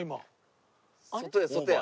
外や外や。